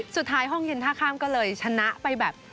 ห้องเย็นท่าข้ามก็เลยชนะไปแบบ